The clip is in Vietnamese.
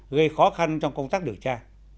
gây khó khăn trong công tác điều tra